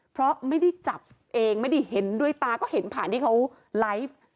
เพราะไม่ได้จับเองไม่ได้เห็นด้วยตาก็เห็นผ่านที่เขาไลฟ์